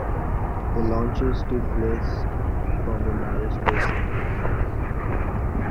The launches took place from the Naro Space Center.